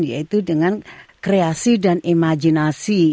yaitu dengan kreasi dan imajinasi